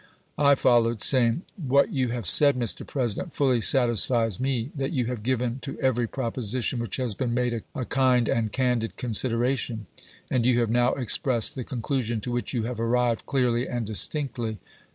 I followed, saying: " What you have said, Mr. President, fully satisfies me that you have given to every proposition which has been made a kind and candid consideration. And you have now expressed the conclusion to which you have arrived clearly and distinctly.